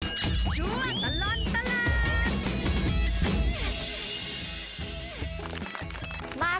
ช่วงตลอดตลาด